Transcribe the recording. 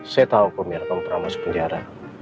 saya tahu pemirta pernah masuk penjara